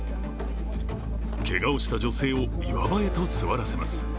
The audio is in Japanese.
けがをした女性を岩場へと座らせます。